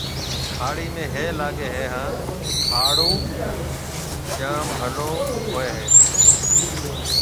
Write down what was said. هِاڙي ۾ هِي لاگي هيَ هانَ هِاڙو جوم ڀلو هوئي هيَ۔